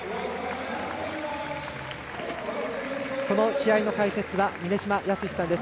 この試合の解説は峰島靖さんです。